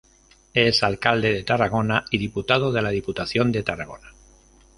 Es Alcalde de Tarragona y diputado de la Diputación de Tarragona.